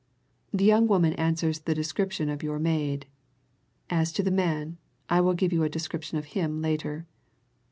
The woman answers the description of your maid as to the man, I will give you a description of him later.